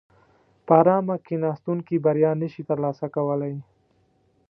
په ارامه کیناستونکي بریا نشي ترلاسه کولای.